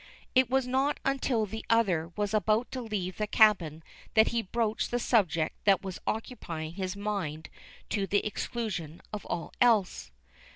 It was not until the other was about to leave the cabin that he broached the subject that was occupying his mind to the exclusion of all else.